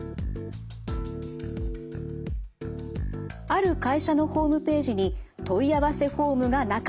ある会社のホームページに問い合わせホームがなかった。